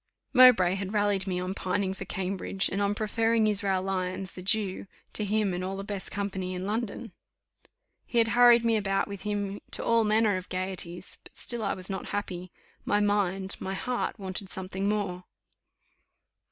Mowbray had rallied me on my pining for Cambridge, and on preferring Israel Lyons, the Jew, to him and all the best company in London. He had hurried me about with him to all manner of gaieties, but still I was not happy; my mind my heart wanted something more.